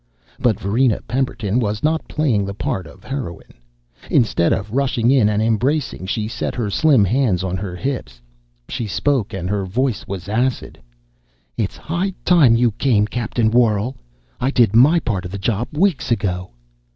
But Varina Pemberton was not playing the part of heroine. Instead of rushing in and embracing, she set her slim hands on her hips. She spoke, and her voice was acid: "It's high time you came, Captain Worrall. I did my part of the job weeks ago."